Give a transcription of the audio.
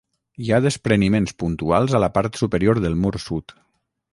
Hi ha despreniments puntuals a la part superior del mur sud.